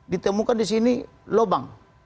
ditemukan di sini lobang